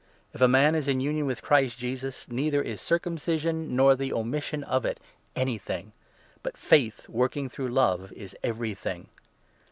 If a man is in union with Christ Jesus, 6 neither is circumcision nor the omission of it anything, but faith, working through love, is everything.